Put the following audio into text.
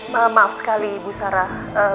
maaf sekali bu sarah